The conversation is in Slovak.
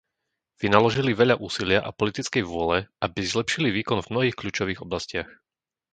Vynaložili veľa úsilia a politickej vôle, aby zlepšili výkon v mnohých kľúčových oblastiach.